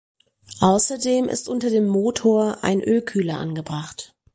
Außerdem ist unter dem Motor ein Ölkühler angebracht.